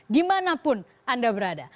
dimanapun anda berada